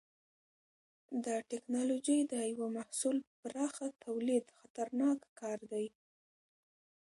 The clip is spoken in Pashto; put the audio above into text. د ټېکنالوجۍ د یوه محصول پراخه تولید خطرناک کار دی.